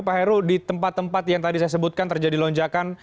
pak heru di tempat tempat yang tadi saya sebutkan terjadi lonjakan